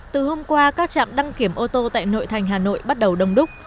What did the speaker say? từ hôm qua các trạm đăng kiểm ô tô tại nội thành hà nội bắt đầu đông đúc